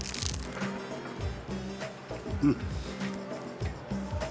うん。